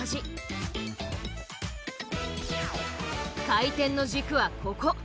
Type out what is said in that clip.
回転の軸はここ。